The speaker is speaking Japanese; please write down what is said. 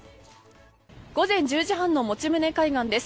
午前１０時半の用宗海岸です。